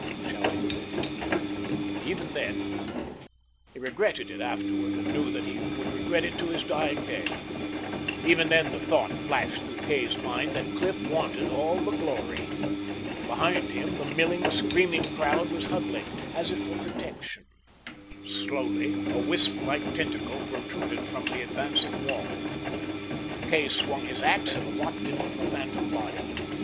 shouted Cliff. Even then he regretted it afterward, and knew that he would regret it to his dying day even then the thought flashed through Kay's mind that Cliff wanted all the glory. Behind him the milling, screaming crowd was huddling, as if for protection. Slowly a wisp like tentacle protruded from the advancing wall. Kay swung his ax and lopped it from the phantom body.